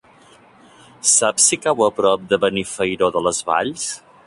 Saps si cau a prop de Benifairó de les Valls?